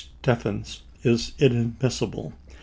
Stephens is inadmissible.